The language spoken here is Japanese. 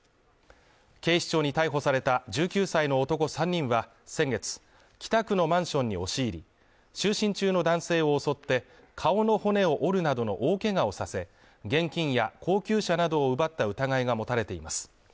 警視庁に逮捕された１９歳の男３人は先月、北区のマンションに押し入り就寝中の男性を襲って顔の骨を折るなどの大けがをさせ、現金や高級車などを奪った疑いが持たれています。